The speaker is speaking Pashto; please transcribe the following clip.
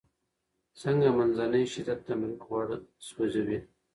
څنګه منځنی شدت تمرین غوړ سوځوي؟